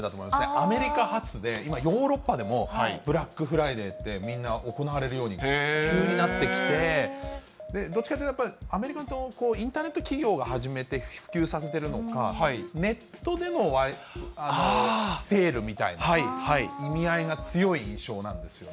アメリカ発で、今、ヨーロッパでもブラックフライデーって行われるように急になってきて、どっちかというと、アメリカのインターネット企業が始めて普及させているのか、ネットでのセールみたいな意味合いが強い印象なんですよね。